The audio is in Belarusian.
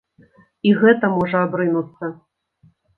І гэта можа абрынуцца!